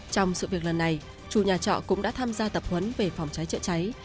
trong sự việc lần này chủ nhà trọ cũng đã tham gia tập huấn về phòng cháy chữa cháy